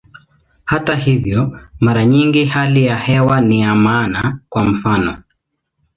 Hata hivyo, mara nyingi hali ya hewa ni ya maana, kwa mfano.